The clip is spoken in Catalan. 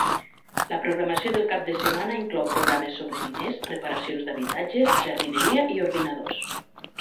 La programació del cap de setmana inclou programes sobre diners, reparacions d'habitatges, jardineria i ordinadors.